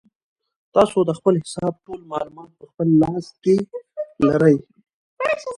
تاسو د خپل حساب ټول معلومات په خپل لاس کې لرئ.